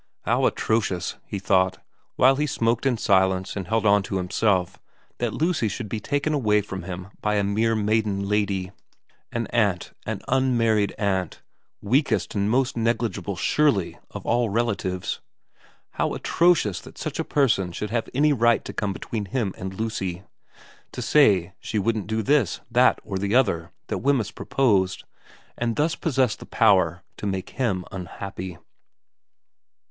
How atrocious, he thought, while he smoked in silence and held on to himself, that Lucy should be taken away from him by a mere maiden lady, an aunt, an unmarried aunt, weakest and most negligible, surely, of all relatives. How atrocious that such a person should have any right to come between him and Lucy, to say she wouldn't do this, that, or the other that Wemyss proposed, and thus possess the power to make him unhappy.